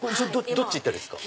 どっち行ったらいいですか？